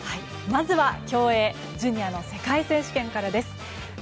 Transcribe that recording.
まずは競泳ジュニアの世界選手権からです。